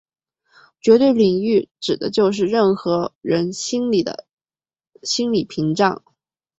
绝对领域指的就是任何人心里的心理屏障。